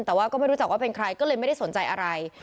แต่ว่าก็ไม่รู้จักว่าเป็นใครก็เลยไม่ได้สนใจอะไร